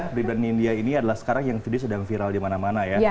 pribadi india ini adalah sekarang yang video sedang viral di mana mana ya